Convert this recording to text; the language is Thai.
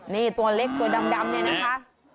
นี่ตัวเล็กตัวดำเนี่ยนะคะ